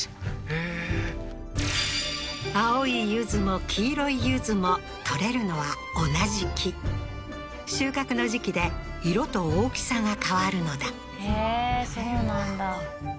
へえー青い柚子も黄色い柚子も採れるのは同じ木収穫の時期で色と大きさが変わるのだへえーそうなんだ